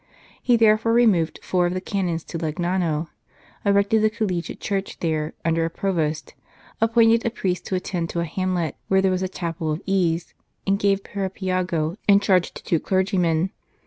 He therefore removed four of the Canons to Legnano ; erected a collegiate church there, under a Provost; appointed a priest to attend to a hamlet where there was a chapel of ease ; and gave Parabiago in charge to two clergymen.